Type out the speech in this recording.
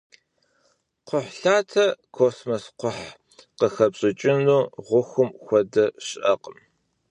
Кхъухьлъатэ, космос кхъухь къыхэпщӀыкӀыну гъухум хуэдэ щыӀэкъым.